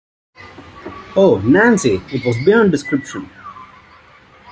Oh, Nancy, it was beyond description.